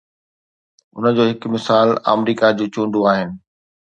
ان جو هڪ مثال آمريڪا جون چونڊون آهن.